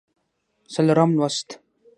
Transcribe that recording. څلورم لوست